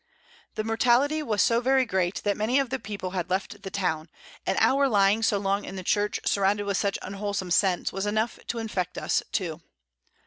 The Mortality was so very great, that many of the People had left the Town, and our lying so long in the Church surrounded with such unwholsom Scents, was enough to infect us too.